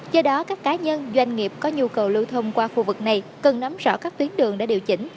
do đó các cá nhân doanh nghiệp có nhu cầu lưu thông qua khu vực này cần nắm rõ các tuyến đường để điều chỉnh